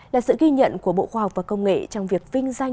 là sự ghi nhận của bộ khoa học và công nghệ trong việc vinh danh